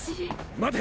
待て！